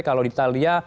kalau di italia